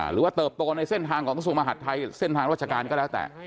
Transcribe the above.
เติบโตในเส้นทางของกระทรวงมหาดไทยเส้นทางราชการก็แล้วแต่